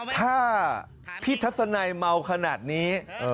ถ้าพี่ทัศนัยเมาขนาดนี้